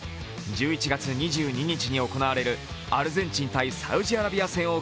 １１月２２日に行われるアルゼンチン×サウジアラビア戦を